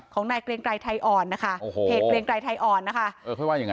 ของนายเกรงไกรไทยอ่อนนะคะ